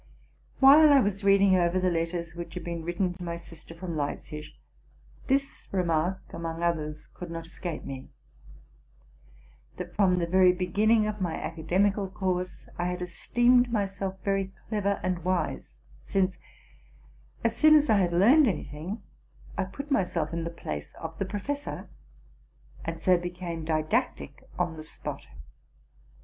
While I was reading over the letters which had been writ ten to my sister from Leipzig, this remark, among others, could not escape me, — that, from the very beginning of my academical course, I had esteemed myself very clever and wise, since, as soon as I had learned any thing, I put myself in the place of the professor, and so became didactic on the spot.